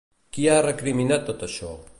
Qui ha recriminat tot això?